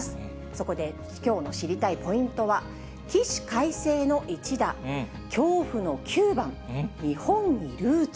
そこできょうの知りたいポイントは、起死回生の一打、恐怖の９番、日本にルーツ。